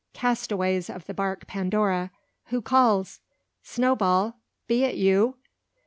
"Castaways of the bark Pandora, Who calls? Snowball! Be it you?"